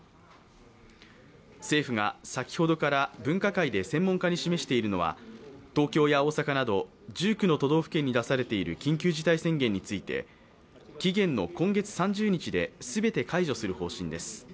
政府が先ほどから分科会で専門家に示しているのは、東京や大阪など１９の都道府県に出されている緊急事態宣言について期限の今月３０日で全て解除する方針です。